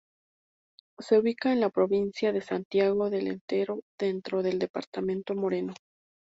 Se ubica en la provincia de Santiago del Estero dentro del departamento Moreno.